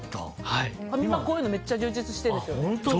ファミマ、こういうのめっちゃ充実してるんですよ。